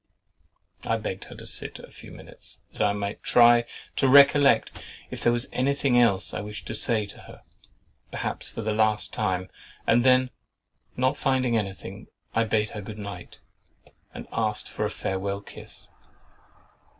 I begged her to sit a few minutes, that I might try to recollect if there was anything else I wished to say to her, perhaps for the last time; and then, not finding anything, I bade her good night, and asked for a farewell kiss.